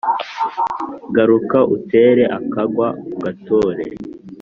Garuka utere akagwa ugatore